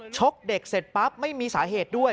ชกเด็กเสร็จปั๊บไม่มีสาเหตุด้วย